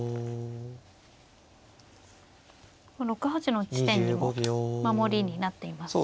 ６八の地点にも守りになっていますし。